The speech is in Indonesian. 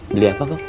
beli apa kuk